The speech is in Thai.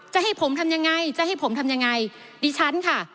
จะให้ผมทำยังไงจะให้ผมทำยังไงดิฉันค่ะ